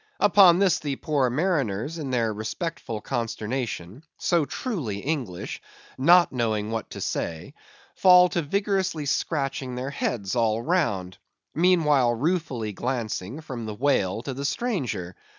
Upon this the poor mariners in their respectful consternation—so truly English—knowing not what to say, fall to vigorously scratching their heads all round; meanwhile ruefully glancing from the whale to the stranger.